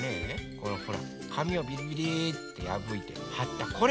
このほらかみをびりびりってやぶいてはったこれ。